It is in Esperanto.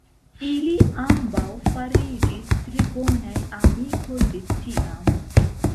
Ili ambaŭ fariĝis tre bonaj amikoj de tiam.